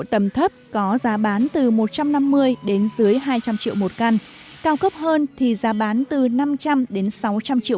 tầm thấp có giá bán từ một trăm năm mươi đến dưới hai trăm linh triệu một căn cao cấp hơn thì giá bán từ năm trăm linh đến sáu trăm linh triệu